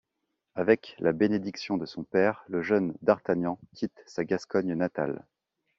Avec la bénédiction de son père, le jeune D'Artagnan quitte sa Gascogne natale.